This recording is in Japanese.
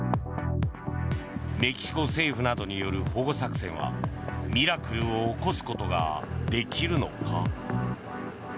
メキシコ政府などによる保護作戦はミラクルを起こすことができるのか。